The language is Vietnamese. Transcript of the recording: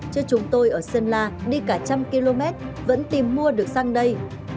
chứ chúng tôi ở sơn la đi cả trăm km vẫn tìm mua được sang đây